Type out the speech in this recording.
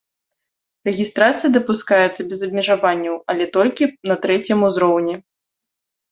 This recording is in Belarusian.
Рэгістрацыя дапускаецца без абмежаванняў, але толькі на трэцім узроўні.